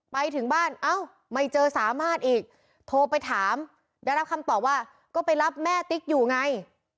ไปถึงบ้านเอ้าไม่เจอสามารถอีกโทรไปถามได้รับคำตอบว่าก็ไปรับแม่ติ๊กอยู่ไง